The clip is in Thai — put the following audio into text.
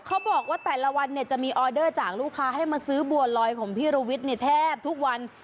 เขาบอกว่าแต่ละวันเนี่ยจะมีออเดอร์จากลูกค้าให้มาซื้อบัวลอยของพี่ระวิทย์แทบทุกวัน